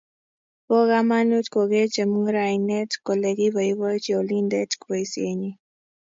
Bo kamanut kogeer chemungarainet kole koboiboichi olindet boisienyi